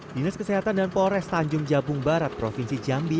dinas kesehatan dan polres tanjung jabung barat provinsi jambi